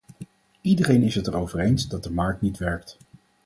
Iedereen is het erover eens dat de markt niet werkt.